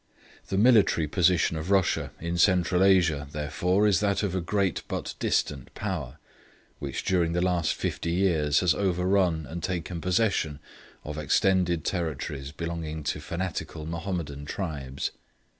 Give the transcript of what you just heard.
The military position of Russia in Central Asia, therefore, is that of a great but distant Power, which during the last fifty years has overrun and taken possession of extended territories belonging to fanatical Mahomedan tribes.